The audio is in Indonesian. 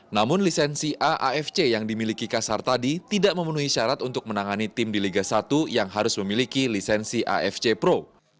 namun lisensi aafc yang dimiliki kasar tadi tidak memenuhi syarat untuk menangani tim di liga satu yang harus memiliki lisensi afc pro